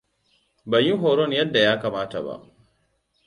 Ban yi horon yadda ya kamata ba.